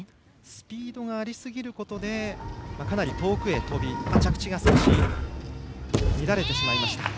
スピードがありすぎることでかなり遠くに跳び、着地が少し乱れてしまいました。